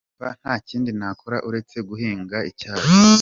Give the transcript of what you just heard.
Numva nta kindi nakora uretse guhinga icyayi.